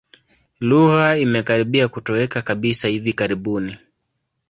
Lugha imekaribia kutoweka kabisa hivi karibuni.